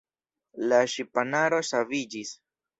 La ŝipanaro saviĝis.